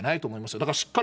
だからしっかり